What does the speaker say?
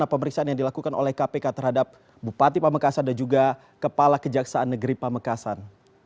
apa pemeriksaan yang dilakukan oleh kpk terhadap bupati pamekasan dan juga kepala kejaksaan negeri pamekasan